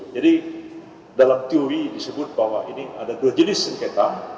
jadi dalam teori disebut bahwa ini ada dua jenis sengketa